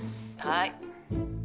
「はい」